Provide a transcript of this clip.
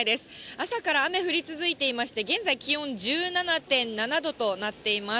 朝から雨降り続いていまして、現在、気温１７．７度となっています。